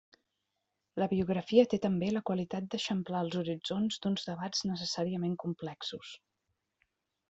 La biografia té també la qualitat d'eixamplar els horitzons d'uns debats necessàriament complexos.